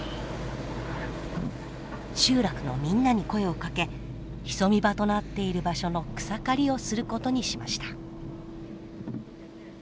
集落のみんなに声をかけ潜み場となっている場所の草刈りをすることにしました。